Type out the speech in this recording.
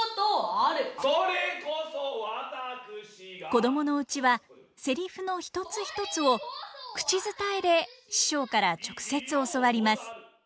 子供のうちはセリフの一つ一つを口伝えで師匠から直接教わります。